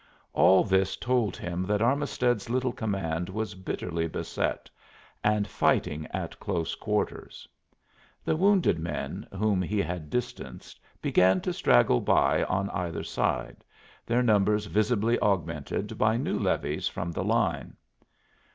All this told him that Armisted's little command was bitterly beset and fighting at close quarters. The wounded men whom he had distanced began to straggle by on either hand, their numbers visibly augmented by new levies from the line.